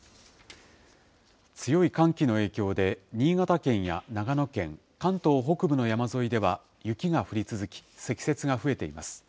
強い寒気の影響で、新潟県や長野県、関東北部の山沿いでは雪が降り続き、積雪が増えています。